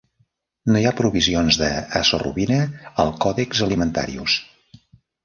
No hi ha provisions d'azorubina al Codex Alimentarius.